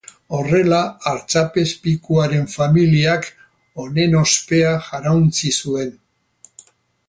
Horrela artzapezpikuaren familiak honen ospea jarauntsi zuen.